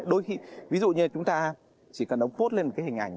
đôi khi ví dụ như chúng ta chỉ cần ông post lên cái hình ảnh